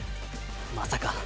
まさか。